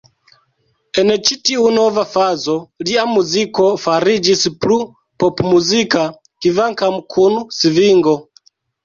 En ĉi-tiu nova fazo lia muziko fariĝis plu popmuzika, kvankam kun svingo.